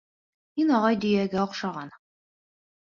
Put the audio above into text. Һин, ағай, дөйәгә оҡшағанһың.